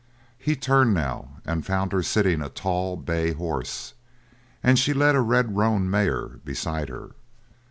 He turned now and found her sitting a tall bay horse, and she led a red roan mare beside her.